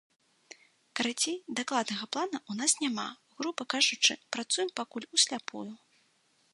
Карацей, дакладнага плана ў нас няма, груба кажучы, працуем пакуль усляпую.